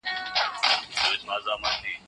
که موږ متحد سو افغانستان به بیا د نړۍ سیال سي.